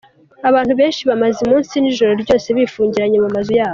Abantu benshi bamaze umunsi n’ijoro ryose bifungiranye mu mazu yabo.